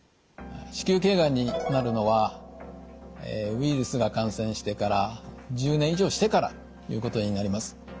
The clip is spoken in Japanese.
子宮頸がんになるのはウイルスが感染してから１０年以上してからということになります。